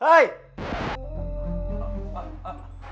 เฮ้ยเหน็ตไม่อยู่อีกแล้ว